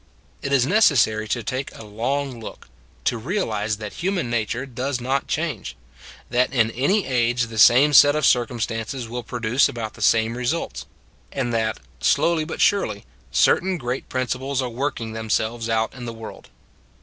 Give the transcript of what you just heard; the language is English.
It is necessary to take a long look; to realize that human nature does not change ; that in any age the same set of circum stances will produce about the same re sults; and that, slowly but surely, certain great principles are working themselves out in the world.